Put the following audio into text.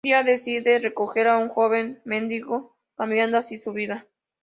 Un día decide recoger a un joven mendigo, cambiando así su vida.